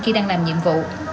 khi đang làm nhiệm vụ